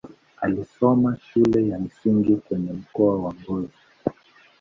Alisoma shule ya msingi kwenye mkoa wa Ngozi.